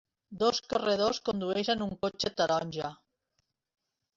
Dos corredors condueixen un cotxe taronja